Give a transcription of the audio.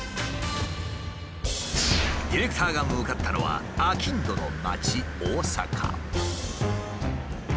ディレクターが向かったのは商人の街大阪。